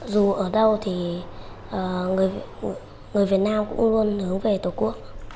dù ở đâu thì người việt nam cũng luôn hướng về tổ quốc